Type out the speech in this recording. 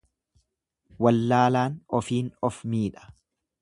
Wallaalaan ofiin of miidha.